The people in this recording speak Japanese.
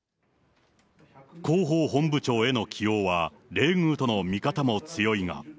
広報本部長への起用は冷遇との見方も強いが。